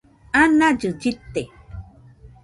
anallɨ llɨte